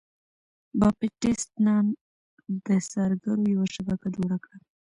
باپټیست نان د څارګرو یوه شبکه جوړه کړه.